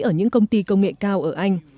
ở những công ty công nghệ cao ở anh